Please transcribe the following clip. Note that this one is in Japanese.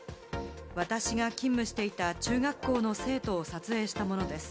私が勤務していた中学校の生徒を撮影したものです。